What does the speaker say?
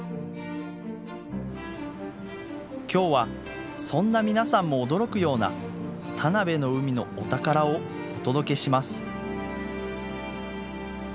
今日はそんな皆さんも驚くような田辺の海のお宝をお届けします。